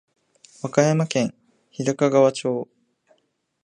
和歌山県日高川町